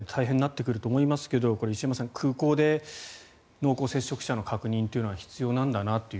やっぱり手続きなどの面も含めて大変になってくると思いますが石山さん、空港で濃厚接触者の確認というのは必要なんだなという。